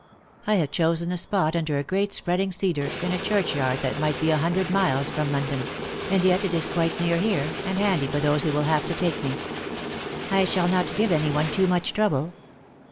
I have chosen a spot under a great spreading cedar, in a churchyard that might be a hundred miles from London — and yet it is quite near here, and handy for those who will have to take me. I shall not give any one too much trouble.